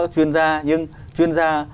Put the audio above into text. chuyên gia nhưng chuyên gia